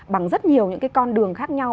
bằng rất nhiều những cái con đường khác nhau